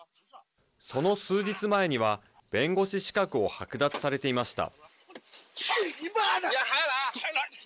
その数日前には弁護士資格を剥奪されていました。